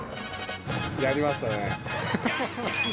やりましたね。